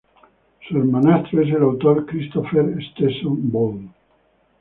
Su hermanastro es el autor Christopher Stetson Boal.